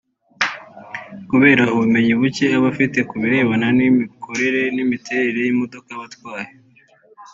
kubera ubumenyi bucye aba afite kubirebana n’imikorere n’imiterere y’imodoka aba atwaye